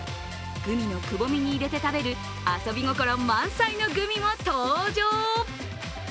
グミのくぼみに入れて食べる遊び心満載のグミも登場。